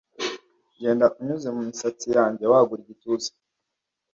genda unyuze mumisatsi yanjye, wagura igituza